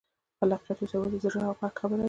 خلاقیت اوس یوازې د زړه او غږ خبره ده.